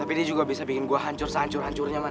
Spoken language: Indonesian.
tapi dia juga bisa bikin gua hancur sehancur hancurnya man